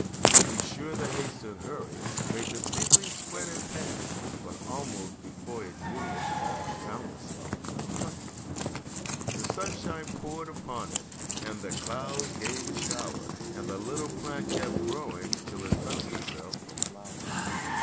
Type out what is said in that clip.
To be sure, the haste and hurry Made the seedling sweat and pant; But almost before it knew it It found itself a plant. The sunshine poured upon it, And the clouds they gave a shower; And the little plant kept growing Till it found itself a flower.